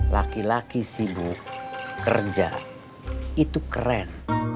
laki laki sibuk kerja itu keren